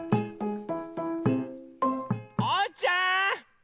おうちゃん！